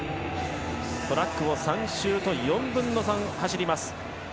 トラックを３周と４分の３走ります。